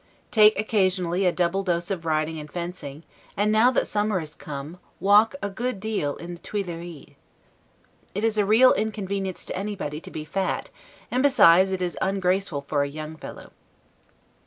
Take occasionally a double dose of riding and fencing; and now that summer is come, walk a good deal in the Tuileries. It is a real inconvenience to anybody to be fat, and besides it is ungraceful for a young fellow.